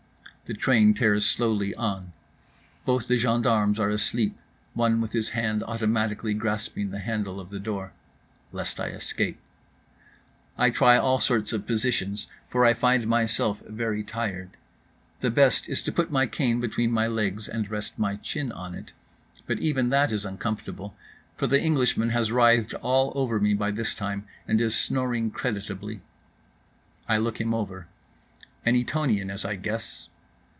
The train tears slowly on. Both the gendarmes are asleep, one with his hand automatically grasping the handle of the door. Lest I escape. I try all sorts of positions, for I find myself very tired. The best is to put my cane between my legs and rest my chin on it; but even that is uncomfortable, for the Englishman has writhed all over me by this time and is snoring creditably. I look him over; an Etonian, as I guess.